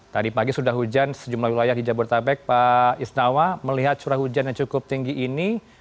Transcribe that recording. tadi pagi sudah hujan sejumlah wilayah di jabodetabek pak isnawa melihat curah hujan yang cukup tinggi ini